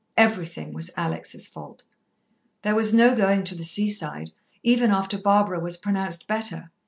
Everything was Alex' fault. There was no going to the seaside, even after Barbara was pronounced better.